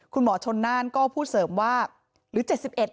คุณหมอชนน่านก็พูดเสริมว่าหรือ๗๑